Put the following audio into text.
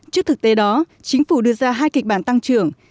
trước thực tế đó chính phủ đưa ra hai kịch bản tăng trưởng